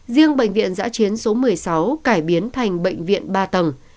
riêng bệnh viện giã chiến số một mươi sáu cải biến thành bệnh viện ba tầng